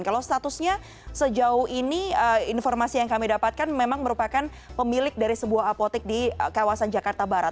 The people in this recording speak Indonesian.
kalau statusnya sejauh ini informasi yang kami dapatkan memang merupakan pemilik dari sebuah apotek di kawasan jakarta barat